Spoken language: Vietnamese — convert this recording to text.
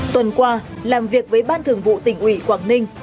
tuần qua làm việc với ban thường vụ tỉnh ủy quảng ninh